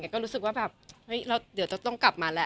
ก็รู้สึกว่าแบบเฮ้ยเราเดี๋ยวจะต้องกลับมาแล้ว